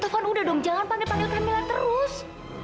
taufan udah dong jangan panggil panggil kamila terus